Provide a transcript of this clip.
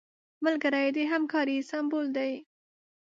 ملګری د همکارۍ سمبول دی